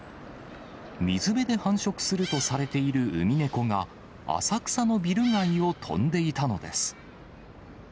水辺で繁殖するとされているウミネコが、浅草のビル街を飛んでいたのです。